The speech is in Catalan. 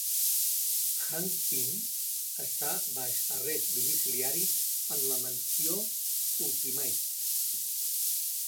Hank Pym està baix arrest domiciliari en la Mansió Ultimates.